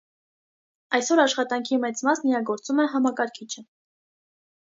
Այսօր աշխատանքի մեծ մասն իրագործում է համակարգիչը։